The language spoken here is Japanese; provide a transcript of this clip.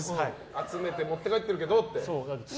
集めて持って帰ってるけどって。